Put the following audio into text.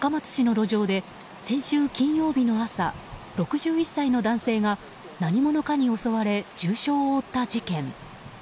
香川県高松市の路上で先週金曜日の朝６１歳の男性が何者かに襲われ重傷を負った事件。